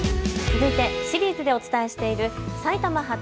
続いてシリーズでお伝えしている埼玉発！